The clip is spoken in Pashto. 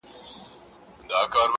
• یو لوی مرض دی لویه وبا ده,